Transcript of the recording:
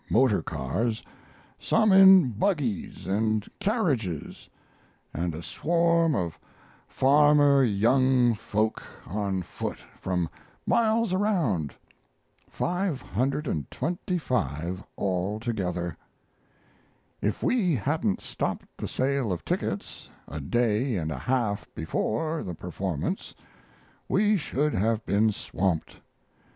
motor cars, some in buggies and carriages, and a swarm of farmer young folk on foot from miles around 525 altogether. If we hadn't stopped the sale of tickets a day and a half before the performance we should have been swamped.